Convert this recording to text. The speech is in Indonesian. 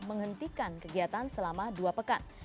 menghentikan kegiatan selama dua pekan